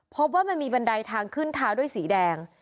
พบว่ามันมีบันไดทางขึ้นเท้าด้วยสีแดง